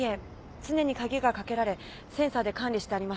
常に鍵が掛けられセンサーで管理してあります。